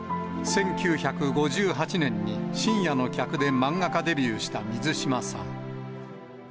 １９５８年に深夜の客で漫画家デビューした水島さん。